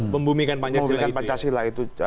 pembunuhkan pancasila itu